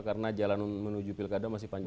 karena jalan menuju pilkada masih panjang